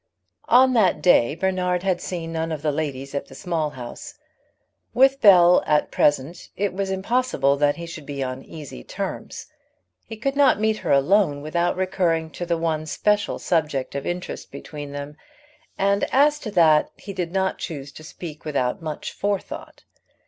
On that day Bernard had seen none of the ladies at the Small House. With Bell at the present moment it was impossible that he should be on easy terms. He could not meet her alone without recurring to the one special subject of interest between them, and as to that he did not choose to speak without much forethought.